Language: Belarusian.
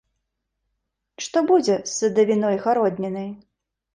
Што будзе з садавіной-гароднінай?